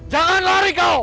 jangan lari kau